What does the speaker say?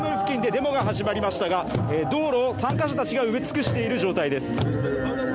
デモが始まりましたが、道路を参加者たちが埋め尽くしている状態です。